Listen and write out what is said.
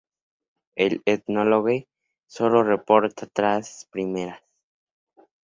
El Ethnologue solo reporta las tres primeras.